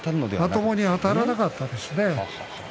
まともにあたらなかったんですね。